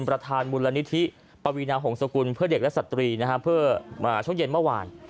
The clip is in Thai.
ประธานมูลนิธิปวีนาหงษกุลเพื่อเด็กและสตรีเพื่อมาช่วงเย็นเมื่อวาน